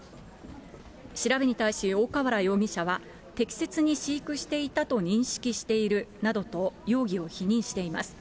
調べに対し大河原容疑者は、適切に飼育していたと認識しているなどと、容疑を否認しています。